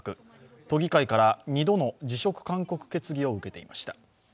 都議会から２度の辞職勧告決議を受けていました。